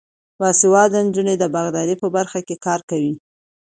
باسواده نجونې د باغدارۍ په برخه کې کار کوي.